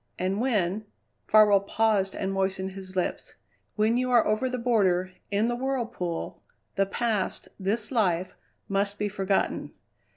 And when" Farwell paused and moistened his lips "when you are over the border, in the whirlpool, the past, this life, must be forgotten.